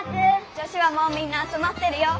女子はもうみんなあつまってるよ。